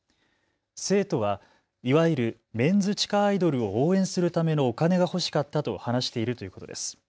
生徒はいわゆるメンズ地下アイドルを応援するためのお金が欲しかったと話しているということです。